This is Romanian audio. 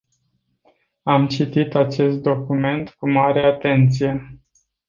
Am citit acest document cu mare atenție.